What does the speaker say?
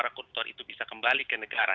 para koruptor itu bisa kembali ke negara